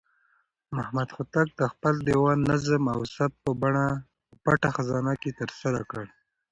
محمد هوتک د خپل دېوان نظم او ثبت په پټه خزانه کې ترسره کړ.